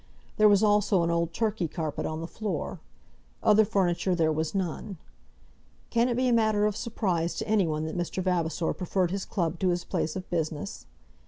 There was also an old Turkey carpet on the floor. Other furniture there was none. Can it be a matter of surprise to any one that Mr. Vavasor preferred his club to his place of business?